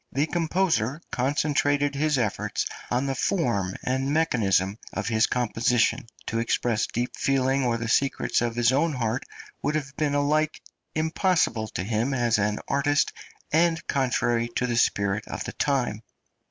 The composer concentrated his efforts on the form and mechanism of his composition; to express deep feeling or the secrets of his own heart would have been alike impossible to him as an artist and contrary to the spirit of the time.